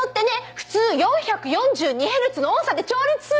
普通４４２ヘルツの音叉で調律するの！